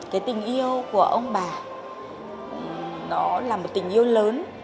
cái tình yêu của ông bà nó là một tình yêu lớn